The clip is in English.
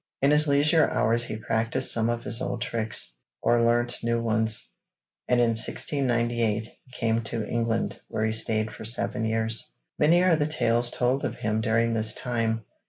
In his leisure hours he practised some of his old tricks, or learnt new ones, and in 1698 he came to England where he stayed for seven years. Many are the tales told of him during this time.